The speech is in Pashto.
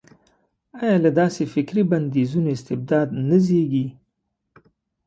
ایا له داسې فکري بندیزونو استبداد نه زېږي.